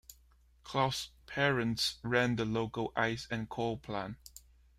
Clough's parents ran the local ice and coal plant.